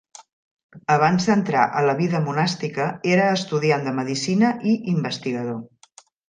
Abans d'entrar a la vida monàstica, era estudiant de Medicina i investigador.